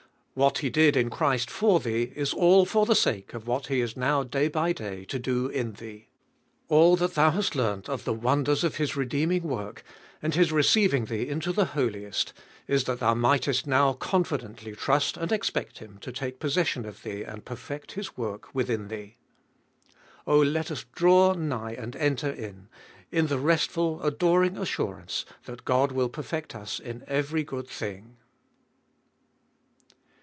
What He did in Christ for thee is all for the sake of what He is now day by day to do in thee. All that thou hast learnt of the wonders of His redeeming work, and His receiving thee into the Holiest, is that thou mightest now confidently trust and expect Him to take possession of thee and perfect His work within thee. Oh, let us draw nigh and enter in, in the restful, adoring assurance that God will perfect us in every good thing.